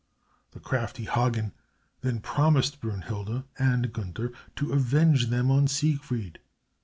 The crafty Hagen then promised Brünnhilde and Gunther to avenge them on Siegfried.